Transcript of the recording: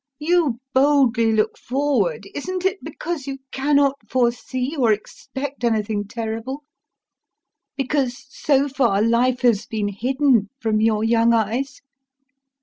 You boldly look forward, isn't it because you cannot foresee or expect anything terrible, because so far life has been hidden from your young eyes?